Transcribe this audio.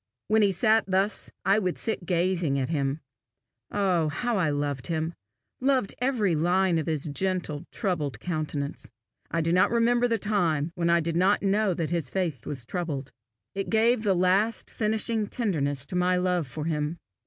When he sat thus, I would sit gazing at him. Oh how I loved him loved every line of his gentle, troubled countenance! I do not remember the time when I did not know that his face was troubled. It gave the last finishing tenderness to my love for him.